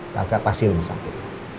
kakak pasti lebih sakit